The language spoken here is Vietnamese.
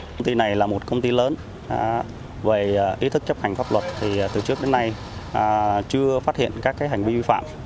công ty này là một công ty lớn về ý thức chấp hành pháp luật thì từ trước đến nay chưa phát hiện các hành vi vi phạm